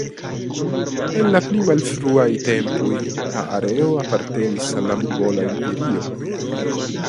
En la pli malfruaj tempoj la areo apartenis al la Mogola Imperio.